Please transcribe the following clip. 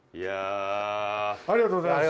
ありがとうございます。